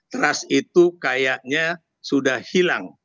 trust itu kayaknya sudah hilang